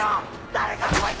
誰か来い。